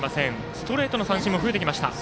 ストレートの三振も増えてきました。